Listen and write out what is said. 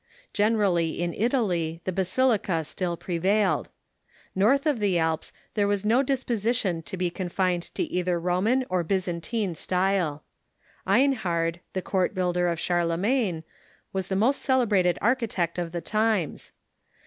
Gener ally in Italy the basilica still prevailed. North of the Alps there was no disposition to be confined to either Roman or Byzantine style. Einhard, the court builder of Charlemagne, was the most celebrated architect of the times.